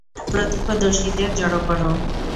প্রত্যক্ষদর্শীদের জড়ো করো।